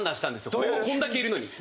これだけいるのに。